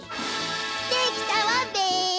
できたわべ。